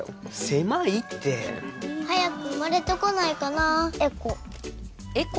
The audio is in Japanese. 狭いって早く生まれてこないかなエコエコ？